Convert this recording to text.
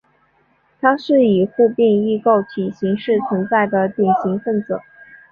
它是以互变异构体形式存在的典型分子。